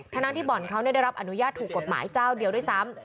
ทั้งที่บ่อนเขาได้รับอนุญาตถูกกฎหมายเจ้าเดียวด้วยซ้ำ